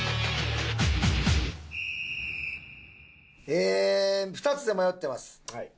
ええ２つで迷ってます。